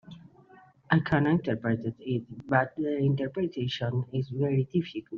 I can interpret it, but the interpretation is very difficult.